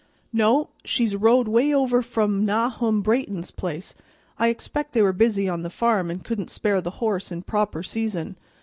"No, she's rode 'way over from Nahum Brayton's place. I expect they were busy on the farm, and couldn't spare the horse in proper season.